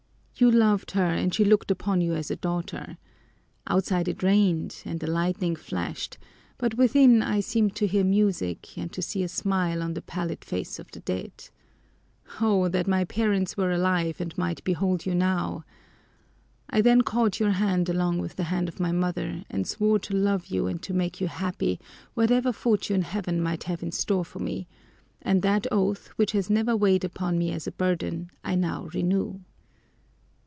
You loved her and she looked upon you as a daughter. Outside it rained and the lightning flashed, but within I seemed to hear music and to see a smile on the pallid face of the dead. Oh, that my parents were alive and might behold you now! I then caught your hand along with the hand of my mother and swore to love you and to make you happy, whatever fortune Heaven might have in store for me; and that oath, which has never weighed upon me as a burden, I now renew!